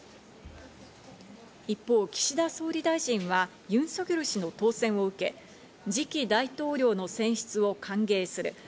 一方、岸田総理大臣はユン・ソギョル氏の当選を受け、次期大統領の選出を歓迎する。